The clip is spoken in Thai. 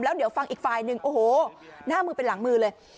แล้วเดี๋ยวฟังอีกฝ่ายหนึ่งโอ้โหหน้ามือเป็นหลังมือเลย